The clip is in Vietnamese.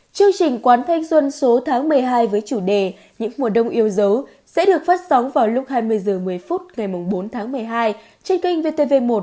chương trình quán thanh xuân số tháng một mươi hai với chủ đề những mùa đông yêu dấu sẽ được phát sóng vào lúc hai mươi h một mươi phút ngày bốn tháng một mươi hai trên kênh vtv một